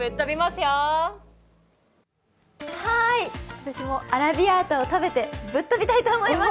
私もアラビアータを食べてぶっ飛びたいと思います。